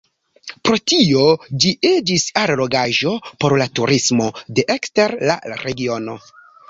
Pro tio ĝi iĝis allogaĵo por la turismo de ekster la regiono.